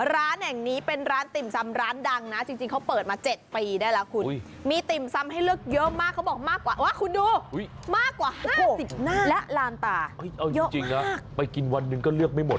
ร้านแห่งนี้เป็นร้านติ่มซำร้านดังนะจริงเขาเปิดมา๗ปีได้แล้วคุณมีติ่มซำให้เลือกเยอะมากเขาบอกมากกว่าว่าคุณดูมากกว่า๕๐หน้าและลานตาจริงนะไปกินวันหนึ่งก็เลือกไม่หมด